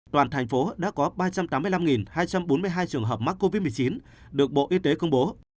toàn thành phố đã có ba trăm tám mươi năm hai trăm bốn mươi hai trường hợp mắc covid một mươi chín được bộ y tế công bố